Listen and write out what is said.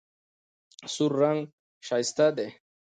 سور رنګ ښایسته دی.